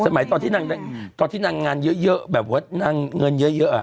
ตอนที่นางตอนที่นางงานเยอะแบบว่านางเงินเยอะ